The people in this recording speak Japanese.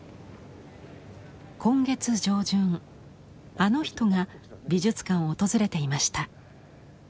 今月上旬あの人が美術館を訪れていました。